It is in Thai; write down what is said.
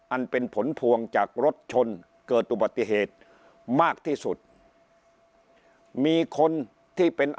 อันเป็นผลพวงจากรถชนเกิดอุบัติเหตุมากที่สุดมีคนที่เป็น